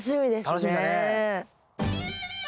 楽しみだね。